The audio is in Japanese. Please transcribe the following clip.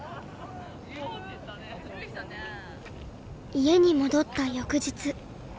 家に戻った翌日。